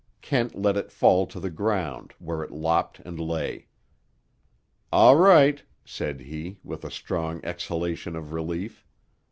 Kent let it fall to the ground, where it lopped and lay. "All right," said he, with a strong exhalation of relief.